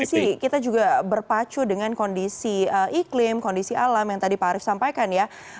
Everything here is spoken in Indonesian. karena di satu sisi kita juga berpacu dengan kondisi iklim kondisi alam yang tadi pak arief sampaikan ya